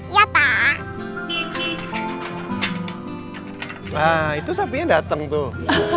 wah itu sapinya dateng tuh